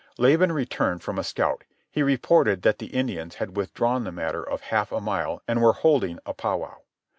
Laban returned from a scout. He reported that the Indians had withdrawn the matter of half a mile, and were holding a powwow.